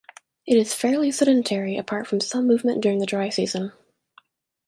It is fairly sedentary apart from some movement during the dry season.